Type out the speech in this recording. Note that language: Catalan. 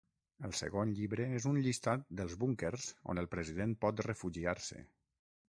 El segon llibre és un llistat dels búnquers on el president pot refugiar-se.